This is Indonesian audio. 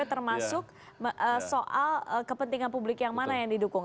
termasuk soal kepentingan publik yang mana yang didukung